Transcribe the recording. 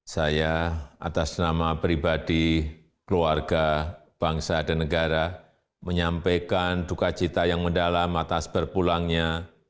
saya atas nama pribadi keluarga bangsa dan negara menyampaikan duka cita yang mendalam atas berpulangnya